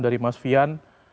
dari mas fian